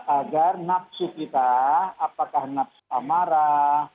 agar nafsu kita apakah nafsu amarah